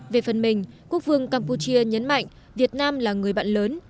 về phần mình quốc vương campuchia nhấn mạnh việt nam là người bạn lớn